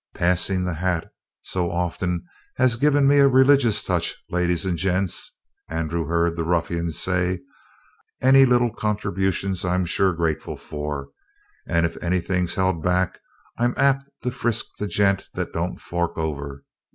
"Passin' the hat so often has give me a religious touch, ladies and gents," Andrew heard the ruffian say. "Any little contributions I'm sure grateful for, and, if anything's held back, I'm apt to frisk the gent that don't fork over.